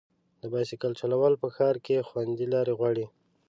د بایسکل چلول په ښار کې خوندي لارې غواړي.